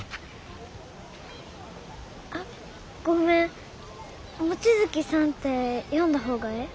あっごめん望月さんって呼んだ方がええ？